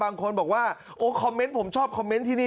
แถลงการแนะนำพระมหาเทวีเจ้าแห่งเมืองทิพย์